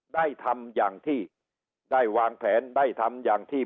ได้ทำอย่างที่ได้วางแผนได้ทำอย่างที่